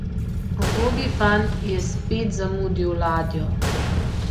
Ubogi fant je spet zamudil ladjo.